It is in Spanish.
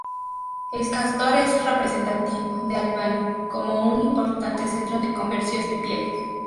El castor es representativo de Albany como un importante centro de comercio de pieles.